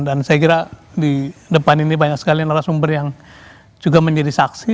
dan saya kira di depan ini banyak sekali narasumber yang juga menjadi saksi